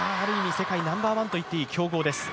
世界ナンバーワンと言っていい強豪です。